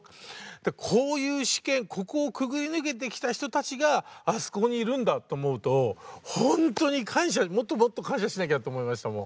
こういう試験ここをくぐり抜けてきた人たちがあそこにいるんだと思うとほんとにもっともっと感謝しなきゃって思いましたもん。